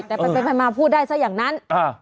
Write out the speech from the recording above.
แต่มาพูดได้ซ้าย่อนนั้น